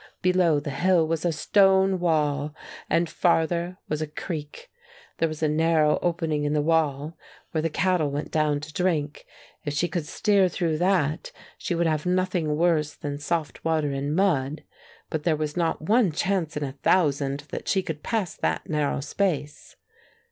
Below the hill was a stone wall, and farther was a creek. There was a narrow opening in the wall where the cattle went down to drink; if she could steer through that she would have nothing worse than soft water and mud; but there was not one chance in a thousand that she could pass that narrow space.